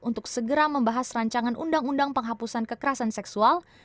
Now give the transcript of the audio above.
untuk segera membahas rancangan undang undang penghapusan kekerasan seksual